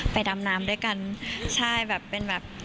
ดำน้ำด้วยกันใช่แบบเป็นแบบ